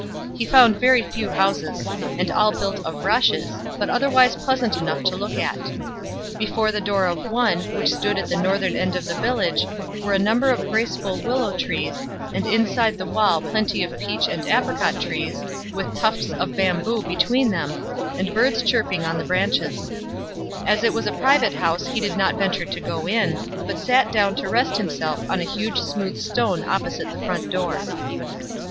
He found very few houses, and all built of rushe .>, but otherwise pleasant enough to look at. Before the door of one, which stood at the northern end of the village, were a number of graceful willow trees, and inside the wall plenty of peach and apricot trees, with tufts of bamboo between them, and birds chirping on 110 STRANGE STORIES the branches. As it was a private house he did not venture to go in, but sat down to rest himself on a huge smooth stone opposite the front door.